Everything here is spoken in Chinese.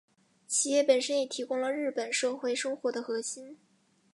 企业本身也提供了日本社会生活的核心。